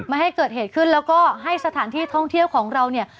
ไม่ให้เกิดเหตุขึ้นแล้วก็ให้สถานที่ท่องเที่ยวของเราเนี่ย